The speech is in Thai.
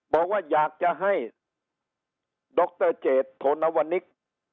บอกว่าอยากจะให้ดรเจษโธนวนิก